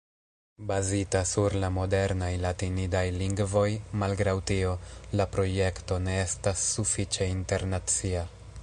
Bazita sur la modernaj latinidaj lingvoj, malgraŭ tio, la projekto ne estas sufiĉe internacia.